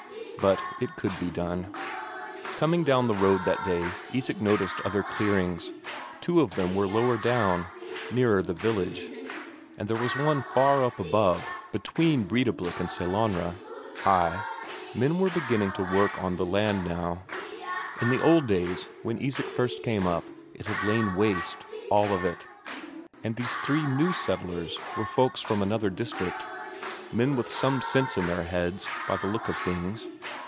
But it could be done. Coming down the road that day Isak noticed other clearings; two of them were lower down, nearer the village, but there was one far up above, between Breidablik and Sellanraa ay, men were beginning to work on the land now; in the old days when Isak first came up, it had lain waste all of it. And these three new settlers were folks from another district; men with some sense in their heads, by the look of things.